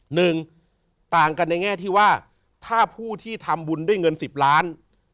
หนึ่งต่างกันในแง่ที่ว่าถ้าผู้ที่ทำบุญด้วยเงินสิบล้าน